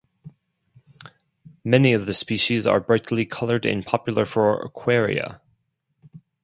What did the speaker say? Many of the species are brightly colored and popular for aquaria.